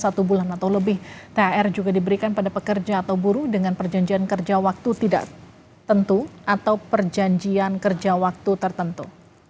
satu bulan atau lebih thr juga diberikan pada pekerja atau buruh dengan perjanjian kerja waktu tidak tentu atau perjanjian kerja waktu tertentu